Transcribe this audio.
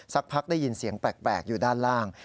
สักพักได้ยินเสียงแปลกอยู่ด้านล่าง